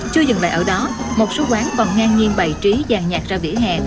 chưa dừng lại ở đó một số quán bằng ngang nhiên bày trí dàn nhạc ra vỉa hè